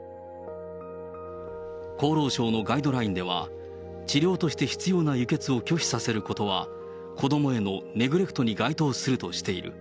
厚労省のガイドラインでは、治療として必要な輸血を拒否させることは、子どもへのネグレクトに該当するとしている。